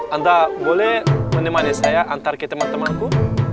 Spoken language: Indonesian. anda boleh menemani saya antar ke teman temanku